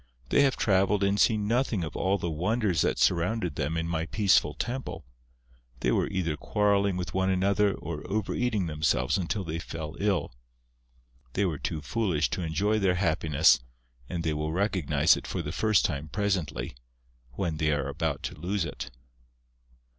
They have travelled and seen nothing of all the wonders that surrounded them in my peaceful temple; they were either quarrelling with one another or over eating themselves until they fell ill. They were too foolish to enjoy their happiness and they will recognize it for the first time presently, when they are about to lose it...."